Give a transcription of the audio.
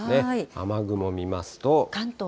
雨雲見ますと。